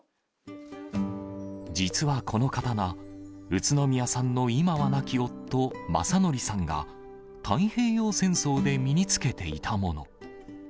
実はこの刀、宇都宮さんの今は亡き夫、夫、正徳さんが、太平洋戦争で身に着けていたもの。